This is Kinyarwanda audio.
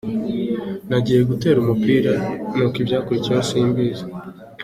"Nagiye gutera umupira nuko ibyakurikiyeho simbizi.